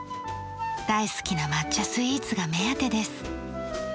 大好きな抹茶スイーツが目当てです。